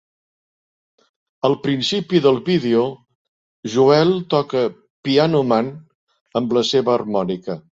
Al principi del vídeo, Joel toca "Piano Man" amb la seva harmònica.